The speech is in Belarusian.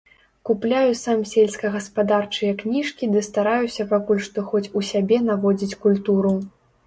Купляю сам сельскагаспадарчыя кніжкі ды стараюся пакуль што хоць у сябе наводзіць культуру.